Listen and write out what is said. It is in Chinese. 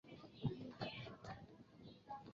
从此丝绸就在这里扎根了。